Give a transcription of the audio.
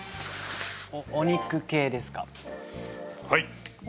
はい。